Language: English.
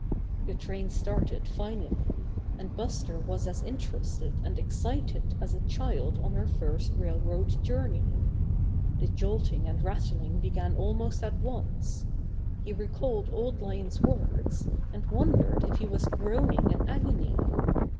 The train started finally, and Buster was as interested and excited as a child on her first railroad journey. The jolting and rattling began almost at once. He recalled Old Lion's words, and wondered if he was groaning in agony.